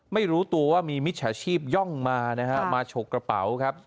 ไม่รู้ตัวว่ามีมิจฉาชีพย่องมานะฮะมาฉกกระเป๋าครับ